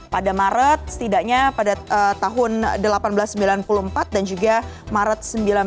pada maret setidaknya pada tahun seribu delapan ratus sembilan puluh empat dan juga maret seribu sembilan ratus sembilan puluh